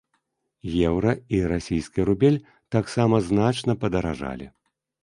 Еўра і расійскі рубель таксама значна падаражалі.